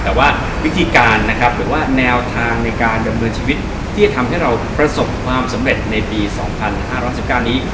แต่ว่าวิธีการหรือว่าแนวทางในการดำเนินชีวิตที่จะทำให้เราประสบความสำเร็จในปีสองพันห้าร้อยห้าสิบเก้านี้